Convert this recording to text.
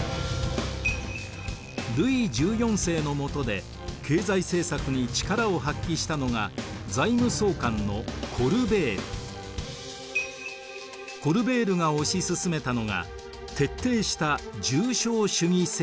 ルイ１４世のもとで経済政策に力を発揮したのがコルベールが推し進めたのが徹底した重商主義政策でした。